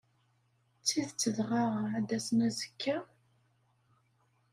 D tidet dɣa, ad d-asen azekka?